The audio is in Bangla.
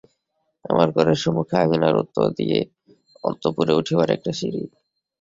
আমার ঘরের সমুখে আঙিনার উত্তর দিকে অন্তঃপুরে উঠিবার একটা সিঁড়ি।